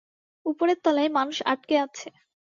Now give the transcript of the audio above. উপরের তলায় মানুষ আটকে আছে।